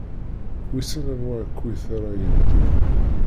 Wissen anwa akkit ara yeddun?